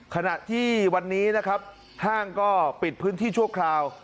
ขณะที่วันนี้นะครับห้างก็ปิดพื้นที่ชั่วคราว